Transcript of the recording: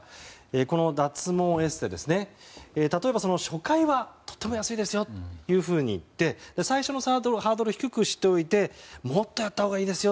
この脱毛エステ、例えば初回はとても安いですよと言って最初のハードルを低くしておいてもっとやったほうがいいですよ